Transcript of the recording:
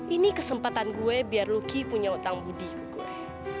ini kesempatan gue biar luki punya utang budi ke gue